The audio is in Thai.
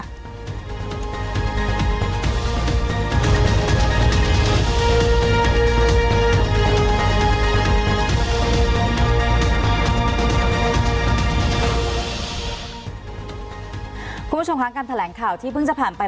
คุณผู้ชมคะการแถลงข่าวที่เพิ่งจะผ่านไป